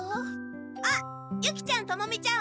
あっユキちゃんトモミちゃん